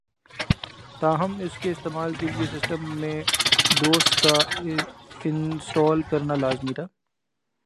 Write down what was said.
تاہم اس کے استعمال کے لئے سسٹم میں ڈوس کا انسٹال کرنا لازمی تھا